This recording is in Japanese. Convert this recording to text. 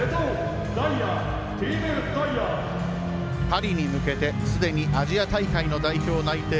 パリに向けて、すでにアジア大会の代表内定。